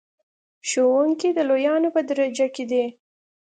ښوونکی د لویانو په درجه کې دی.